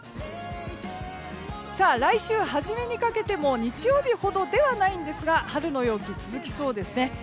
来週初めにかけても日曜日ほどではないんですが春の陽気が続きそうですね。